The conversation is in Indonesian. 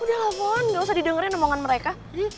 udah lah pon gak usah didengernya omongan mereka